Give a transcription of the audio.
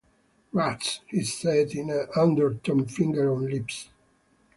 'Rats,' he said in an undertone, fingers on lips.